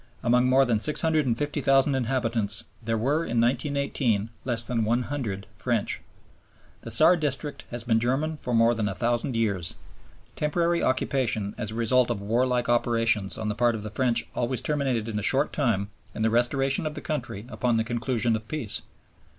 Among more than 650,000 inhabitants, there were in 1918 less than 100 French. The Saar district has been German for more than 1,000 years. Temporary occupation as a result of warlike operations on the part of the French always terminated in a short time in the restoration of the country upon the conclusion of peace.